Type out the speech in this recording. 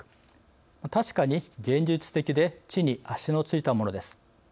確かに現実的で地に足のついたものです。